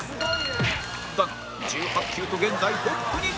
だが１８球と現在トップに